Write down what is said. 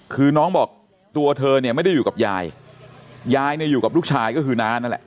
คือน้องบอกตัวเธอเนี่ยไม่ได้อยู่กับยายยายเนี่ยอยู่กับลูกชายก็คือน้านั่นแหละ